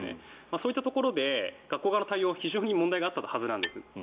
そういったところで学校側の対応に非常に問題があったはずなんです。